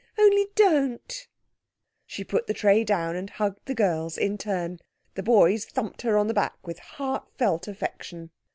Only don't!" She put the tray down and hugged the girls in turn. The boys thumped her on the back with heartfelt affection.